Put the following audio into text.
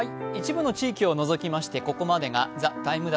一部の地域を除きましてここまでが「ＴＩＭＥ’」。